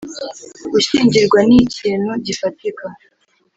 gushyingirwa nikintu gifatika